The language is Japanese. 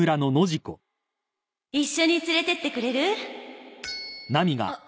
一緒に連れてってくれる？